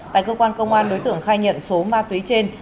tại cơ quan công an đối tượng khai nhận số ma túy trên